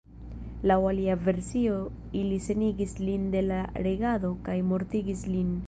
Laŭ alia versio ili senigis lin de la regado kaj mortigis lin.